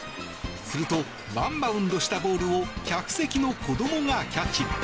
するとワンバウンドしたボールを客席の子どもがキャッチ。